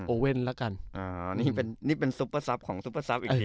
โอเว่นแล้วกันอ๋อนี่เป็นนี่เป็นซุปเปอร์ซับของซุปเปอร์ซับอีกนี้